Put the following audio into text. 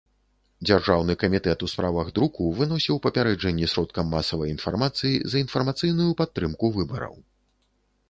Дзяржаўны камітэт у справах друку выносіў папярэджанні сродкам масавай інфармацыі за інфармацыйную падтрымку выбараў.